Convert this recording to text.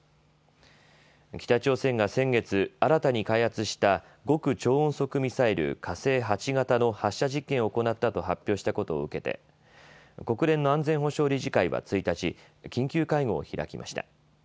北朝鮮が先月、新たに開発した極超音速ミサイル、火星８型の発射実験を行ったと発表したことを受けて国連の安全保障理事会は１日、緊急会合を開きました。